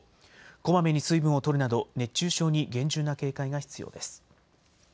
こまめに水分をとるなど熱中症に厳重な警戒が必要です。